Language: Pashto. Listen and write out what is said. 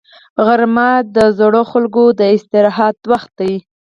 غرمه د زړو خلکو د استراحت وخت دی